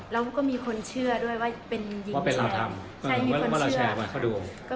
แล้วก็มีคนเชื่อด้วยว่าเป็นหญิงเชื่อ